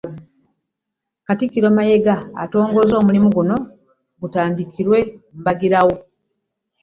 Katikkiro Mayiga atongozza omulimu guno gutandikirewo mbagirawo.